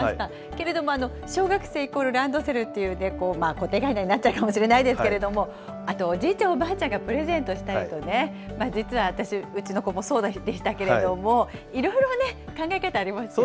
けれども、小学生イコールランドセルっていう、固定概念になっちゃうかもしれませんけれども、あとおじいちゃん、おばあちゃんがプレゼントしたりとかね、実は、私、うちの子もそうでしたけれども、いろいろ考え方ありますよね。